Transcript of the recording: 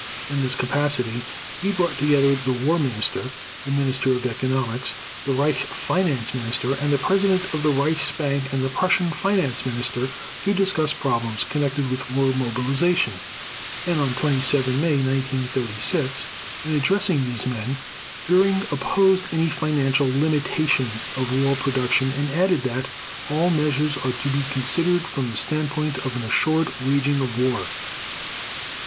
In this capacity he brought together the War Minister, the Minister of Economics, the Reich Finance Minister, the President of the Reichsbank and the Prussian Finance Minister to discuss problems connected with war mobilization, and on 27 May 1936, in addressing these men, Göring opposed any financial limitation of war production and added that "all measures are to be considered from the standpoint of an assured waging of war."